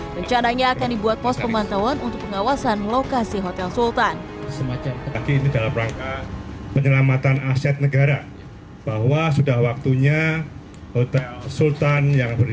rencananya akan dibuat pos pemantauan untuk pengawasan lokasi hotel sultan